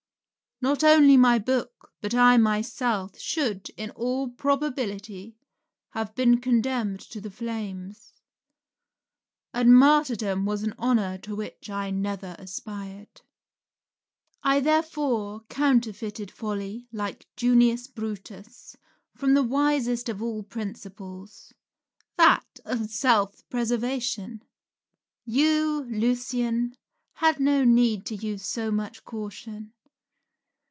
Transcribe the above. Not only my book, but I myself, should, in all probability, have been condemned to the flames; and martyrdom was an honour to which I never aspired. I therefore counterfeited folly, like Junius Brutus, from the wisest of all principles that of self preservation. You, Lucian, had no need to use so much caution.